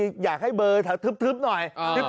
ต้องยากให้เบอร์ถึ๊บหน่อย